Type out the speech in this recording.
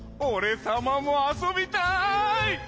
おれさまもあそびたい！